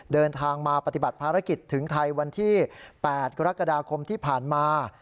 เดินทางมาปฏิบัติภารกิจถึงไทยวันที่๘กรกฎาคมที่ผ่านมา